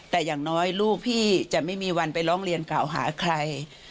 แต่อย่างน้อยลูกพี่จะไม่มีวันไปร้องเรียนกล่าวหาใคร